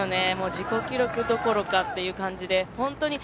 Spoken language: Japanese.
自己記録どころかという感じで。